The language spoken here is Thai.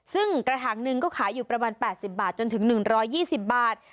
ซึ่งกระถางหนึ่งก็ขายอยู่ประมาณ๘๐บาทจนถึง๑๒๐บาท